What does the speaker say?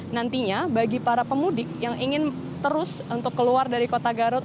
nantinya bagi para pemudik yang ingin terus untuk keluar dari kota garut